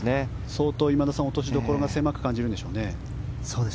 相当、落としどころが狭く感じるんでしょうね。